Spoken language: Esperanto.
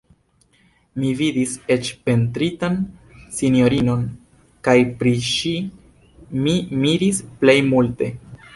Mi vidis eĉ pentritan sinjorinon, kaj pri ŝi mi miris plej multe.